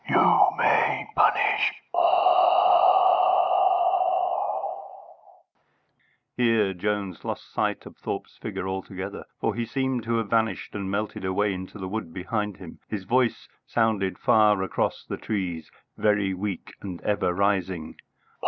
"You may punish or " Here Jones lost sight of Thorpe's figure altogether, for he seemed to have vanished and melted away into the wood behind him. His voice sounded far across the trees, very weak, and ever rising.